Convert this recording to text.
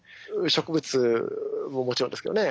植物ももちろんですけどね。